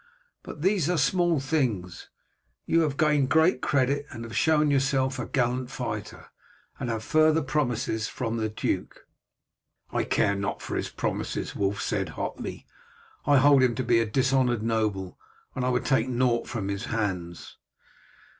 But these are small things. You have gained great credit, and have shown yourself a gallant fighter, and have further promises from the duke." "I care not for his promises," Wulf said hotly. "I hold him to be a dishonoured noble, and I would take naught from his hands."